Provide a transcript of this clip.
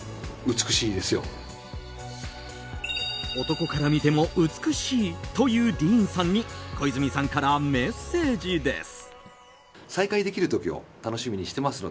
男から見ても美しいというディーンさんに小泉さんからメッセージです。